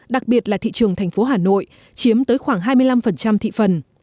đặc biệt là thị trường thành phố hà nội chiếm tới khoảng hai mươi năm thị phần